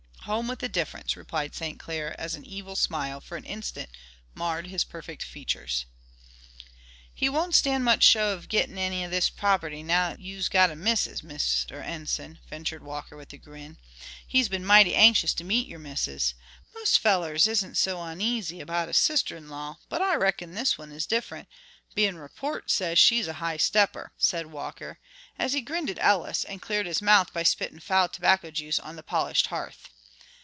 "Home with a difference," replied St. Clair, as an evil smile for an instant marred his perfect features. "He won't stand much show of gittin' eny of this prop'ty now you's got a missus, Mr. Enson," ventured Walker, with a grin. "He's been mighty anxious to meet your missus. Most fellers isn't so oneasy about a sister in law, but I reckon this one is different, being report says she's a high stepper," said Walker, as he grinned at Ellis and cleared his mouth by spitting foul tobacco juice on the polished hearth.